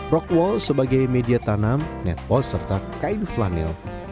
rockwall sebagai media tanam netpose serta kain flanel